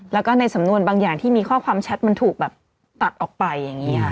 แล้วก็ในสำนวนบางอย่างที่มีข้อความแชทมันถูกแบบตัดออกไปอย่างนี้ค่ะ